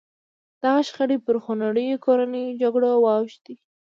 دغه شخړې پر خونړیو کورنیو جګړو واوښتې.